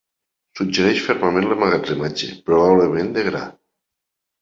Suggereix fermament l'emmagatzematge, probablement de gra.